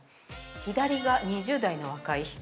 左が２０代の若い人。